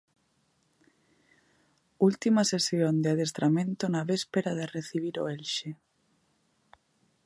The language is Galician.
Última sesión de adestramento na véspera de recibir o Elxe.